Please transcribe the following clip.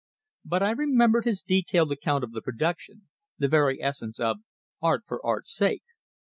But I remembered his detailed account of the production, the very essence of "art for art's sake."